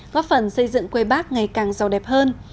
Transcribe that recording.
góp phần xây dựng quê bác ngày càng giàu đẹp hơn